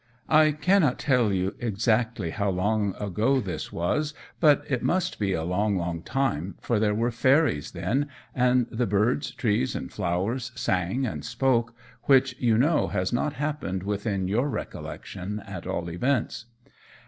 I cannot tell you exactly how long ago this was, but it must be a long, long time, for there were fairies then, and the birds, trees, and flowers sang and spoke, which you know has not happened within your recollection, at all events.